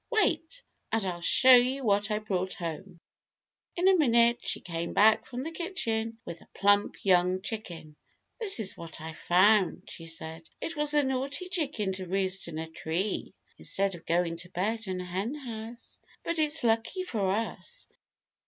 Wait, and I'll show you what I brought home." In a minute she came back from the kitchen with a plump young chicken. "This is what I found," she said. "It was a naughty chicken to roost in a tree instead of going to bed in the Henhouse. But it's lucky for us."